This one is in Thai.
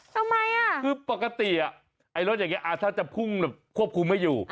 ทำไมน่ะคือปกติไอรถอย่างนี้อาจจะพุ่งควบคุมให้อยู่